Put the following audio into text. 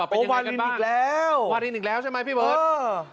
อ๋อวาเลนอีกแล้วพี่เบิร์ตเป็นอย่างไรกันบ้าง